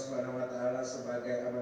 sebagai amal kebaikan kita semua